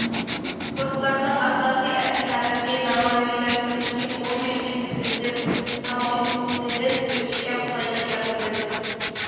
پورتلارنىڭ ئاساسىي ئەسلىھەلىرىنى زامانىۋىلاشتۇرۇشنى ئومۇميۈزلۈك تېزلىتىپ، تاموژنىدىن ئۆتۈشكە قولايلىق يارىتىمىز.